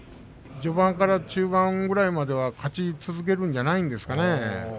序盤から中盤ぐらいまでは勝ち続けるんじゃないですかね。